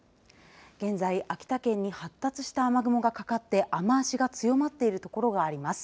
現在秋田県に発達した雨雲がかかって雨足が強まっている所があります。